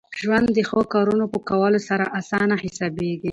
ژوند د ښو کارونو په کولو سره اسانه حسابېږي.